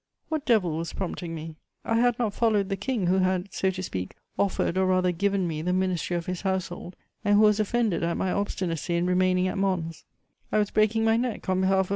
What devil was prompting me? I had not followed the King, who had, so to speak, offered or rather given me the ministry of his Household and who was offended at my obstinacy in remaining at Mons: I was breaking my neck on behalf of M.